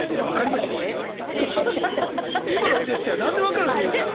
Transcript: いや今のジェスチャー何で分かるんですかＹＯＵさん。